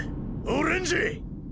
オレンジ！！